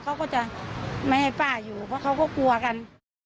เขาก็จะไม่ให้ป้าอยู่เพราะเขาก็กลัวกัน